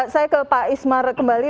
saya ke pak ismar kembali